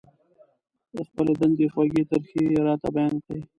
د خپلې دندې خوږې ترخې يې راته بيان کړې.